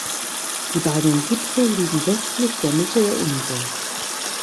Die beiden Gipfel liegen westlich der Mitte der Insel.